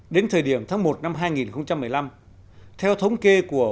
đến thời điểm tháng một năm hai nghìn một mươi năm theo thống kê của